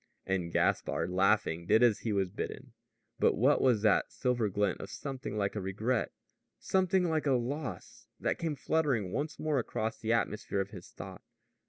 And Gaspard, laughing, did as he was bidden. But what was that silver glint of something like a regret, something like a loss, that came fluttering once more across the atmosphere of his thought?